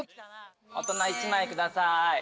大人１枚下さい。